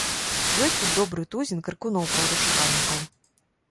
Ёсць тут добры тузін крыкуноў-праўдашукальнікаў.